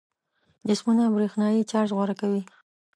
جسمونه برېښنايي چارج غوره کوي.